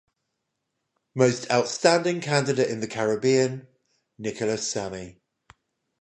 Most Outstanding Candidate in the Caribbean- Nicholas Sammy.